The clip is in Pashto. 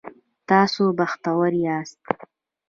تاسو بختور یاست